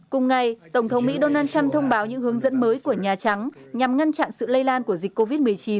cùng ngày tổng thống mỹ donald trump thông báo những hướng dẫn mới của nhà trắng nhằm ngăn chặn sự lây lan của dịch covid một mươi chín